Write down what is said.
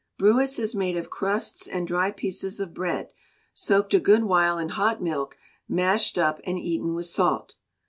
Brewis is made of crusts and dry pieces of bread, soaked a good while in hot milk, mashed up, and eaten with salt.